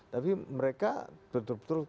tapi mereka betul betul